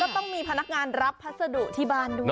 ต้องมีพนักงานรับพัสดุที่บ้านด้วย